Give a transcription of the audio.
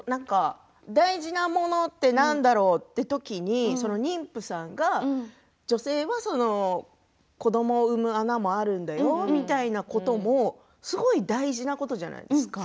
大事なものって何だろうという時に妊婦さんが女性は子どもを産む穴もあるんだよみたいなこともすごい大事なことじゃないですか